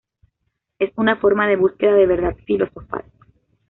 Es una forma de búsqueda de verdad filosofal.